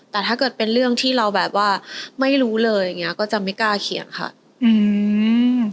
แต่ถ้าเกิดเป็นเรื่องที่เราแบบว่าไม่รู้เลยอย่างเงี้ยก็จะไม่กล้าเขียนค่ะอืม